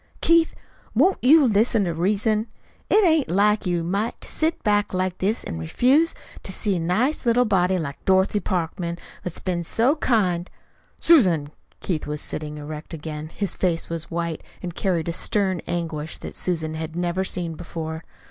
"Keith, won't you listen to reason? It ain't like you a mite to sit back like this an' refuse to see a nice little body like Dorothy Parkman, what's been so kind " "Susan!" Keith was sitting erect again. His face was white, and carried a stern anguish that Susan had never seen before.